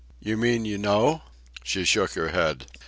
"You mean you know?" She shook her head.